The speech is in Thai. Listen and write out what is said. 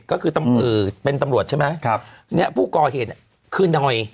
ก็คือเป็นตำรวจใช่ไหมครับเนี้ยผู้ก่อเหตุคือหน่อย